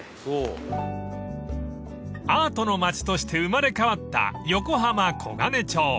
［アートの街として生まれ変わった横浜黄金町］